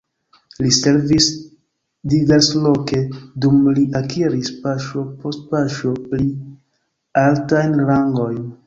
Li servis diversloke, dum li akiris paŝo post paŝo pli altajn rangojn.